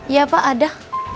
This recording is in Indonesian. iya pak ada